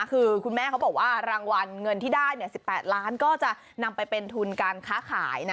คือคุณแม่เขาบอกว่ารางวัลเงินที่ได้๑๘ล้านก็จะนำไปเป็นทุนการค้าขายนะ